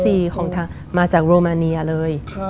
ของทางมาจากโรมาเนียเลย